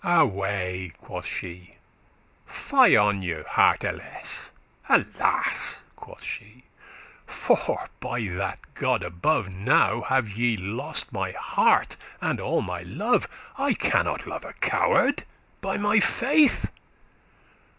"Away," <7> quoth she, "fy on you, hearteless!* *coward Alas!" quoth she, "for, by that God above! Now have ye lost my heart and all my love; I cannot love a coward, by my faith.